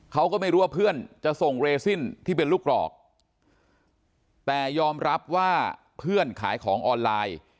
เขาก็ไม่รู้ว่าเพื่อนจะส่งเรซินที่เป็นลูกกรอกแต่ยอมรับว่าเพื่อนขายของออนไลน์